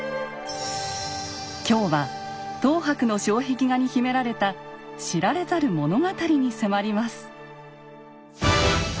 今日は等伯の障壁画に秘められた知られざる物語に迫ります。